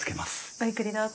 ごゆっくりどうぞ。